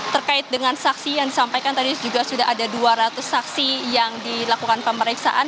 terkait dengan saksi yang disampaikan tadi juga sudah ada dua ratus saksi yang dilakukan pemeriksaan